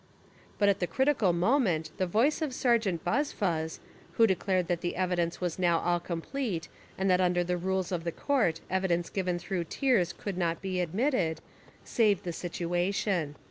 But at the critical moment the voice of Ser geant Buzfuz, who declared that the evidence was now all complete and that under the rules of the court evidence given through tears could not be admitted, saved the situation.